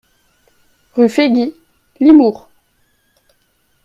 Rue Fegui, Limours